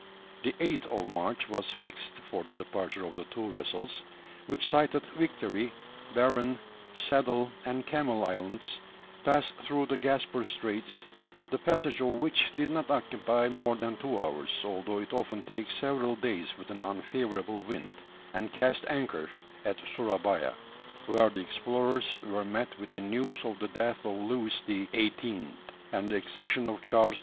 The 8th of March was fixed for the departure of the two vessels, which sighted Victory, Barren, Saddle, and Camel Islands, passed through the Gasper Straits the passage of which did not occupy more than two hours, although it often takes several days with an unfavourable wind and cast anchor at Surabaya, where the explorers were met with the news of the death of Louis XVIII. and the accession of Charles X.